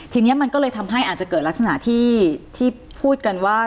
ทีนี้มันก็เลยทำให้อาจจะเกิดลักษณะที่พูดกันว่า